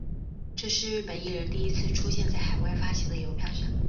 这是日本艺人第一次出现在海外发行的邮票上。